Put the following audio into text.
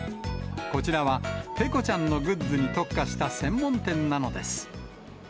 こちらはペコちゃんのグッズに特化した専門店なのです。